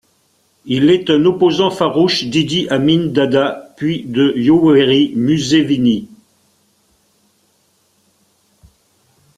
Il est un opposant farouche d'Idi Amin Dada puis de Yoweri Museveni.